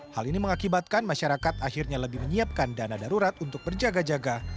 hal ini mengakibatkan masyarakat akhirnya lebih menyiapkan dana darurat untuk berjaga jaga